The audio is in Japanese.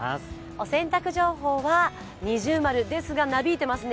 お洗濯情報は◎ですが、なびいていますね。